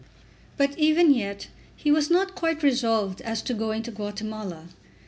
But, even yet, he was not quite resolved as to going to Guatemala.